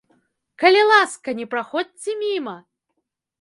Калі ласка, не праходзьце міма!